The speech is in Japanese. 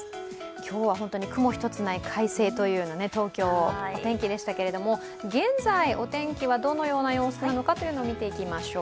今日は本当に雲一つない快晴というような東京天気でしたけど現在、お天気はどのような様子なのかを見ていきましょう。